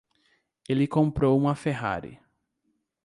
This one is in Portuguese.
Ele comprou uma Ferrari.